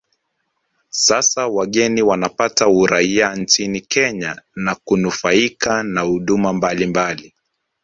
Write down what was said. Sasa wageni wanapata uraia nchini Kenya na kunufaika na huduma mbalimbali